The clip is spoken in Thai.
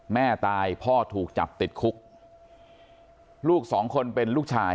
แม่ตายพ่อถูกจับติดคุกลูกสองคนเป็นลูกชาย